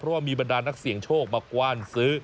เพราะว่ามีบรรดานักเสี่ยงโชคมากว้านซื้อ